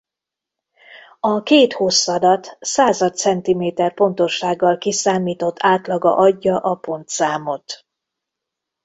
A két hosszadat század centiméter pontossággal kiszámított átlaga adja a pontszámot.